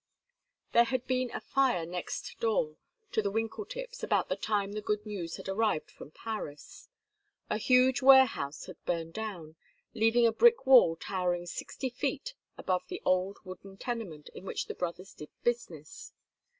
There had been a fire next door to the Winkletips about the time the good news had arrived from Paris; a huge warehouse had burned down, leaving a brick wall towering sixty feet above the old wooden tenement in which the brothers did business.